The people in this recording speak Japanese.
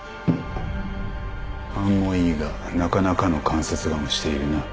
勘もいいがなかなかの観察眼をしているな。